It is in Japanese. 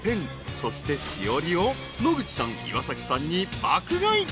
そしてしおりを野口さん岩崎さんに爆買い］